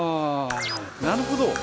なるほど！